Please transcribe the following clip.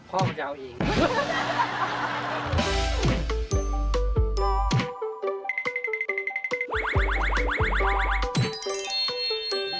พ่อก็จะเอาเอง